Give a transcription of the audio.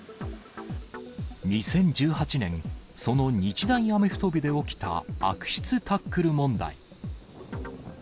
２０１８年、その日大アメフト部で起きた悪質タックル問題。